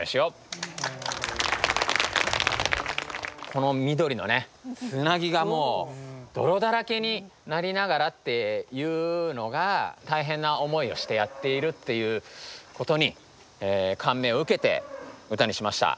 この緑のつなぎがもう泥だらけになりながらっていうのが大変な思いをしてやっているっていうことに感銘を受けて歌にしました。